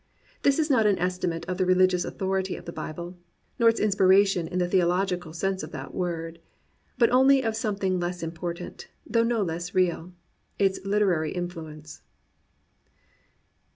This is not an estimate of the religious authority of the Bible, nor of its inspiration in the theological sense of that word, but only of something less important, though no less real — its literary influence.